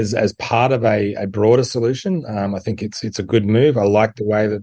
saya suka cara mereka menggabungkan semua pendapatan